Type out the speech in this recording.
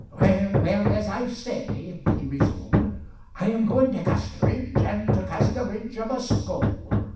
"Well, well, as I say," he resumed, "I am going to Casterbridge, and to Casterbridge I must go.